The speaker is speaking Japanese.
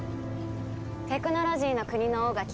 テクノロジーの国の王が気合で解決？